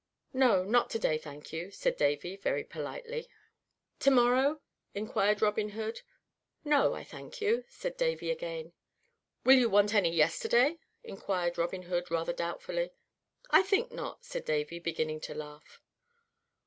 "No, not to day, thank you," said Davy, very politely. "To morrow?" inquired Robin Hood. "No, I thank you," said Davy again. "Will you want any yesterday?" inquired Robin Hood, rather doubtfully. "I think not," said Davy, beginning to laugh.